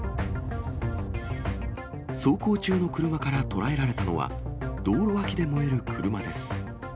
走行中の車から捉えられたのは、道路脇で燃える車です。